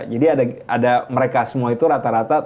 jadi ada mereka semua itu rata rata